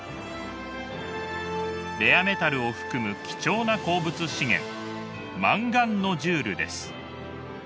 レアメタルを含む貴重な鉱物資源マンガンノジュールです。